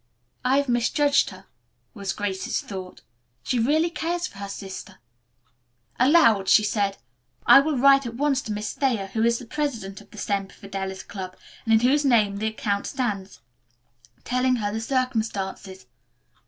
"I have misjudged her," was Grace's thought. "She really cares for her sister." Aloud she said, "I will write at once to Miss Thayer, who is the president of the Semper Fidelis Club, and in whose name the account stands, telling her the circumstances.